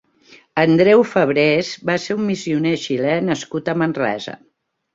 Andreu Febrers va ser un missioner xilè nascut a Manresa.